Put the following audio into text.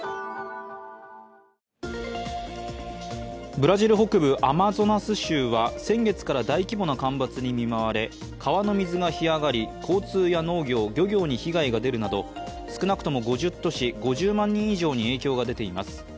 ブラジル北部アマゾナス州は先月から大規模な干ばつに見舞われ川の水が干上がり交通や農業、漁業に被害が出るなど少なくとも５０都市、５０万人以上に影響が出ています。